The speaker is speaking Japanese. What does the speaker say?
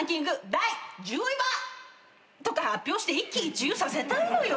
第１０位は！？とか発表して一喜一憂させたいのよ。